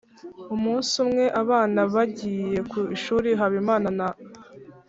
Umunsi umwe abana bagiye ku ishuri Habimana na